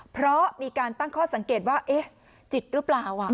เพราะมีการตั้งข้อสังเกตว่าเอ๊ะจิตหรือเปล่า